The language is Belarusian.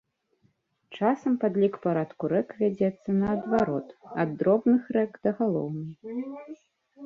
Часам падлік парадку рэк вядзецца, наадварот, ад дробных рэк да галоўнай.